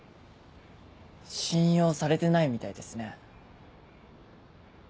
信用されてないみたいですね。